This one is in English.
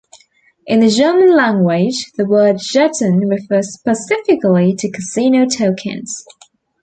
In the German language, the word "Jeton" refers specifically to casino tokens.